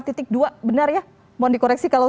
tapi faktanya seperti apa